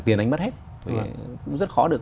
tiền anh mất hết rất khó được